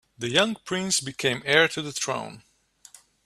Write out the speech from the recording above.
The young prince became heir to the throne.